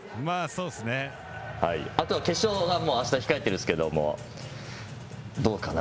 あとは決勝があした控えてますがどうかな。